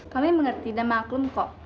kami mengerti dan maklum kok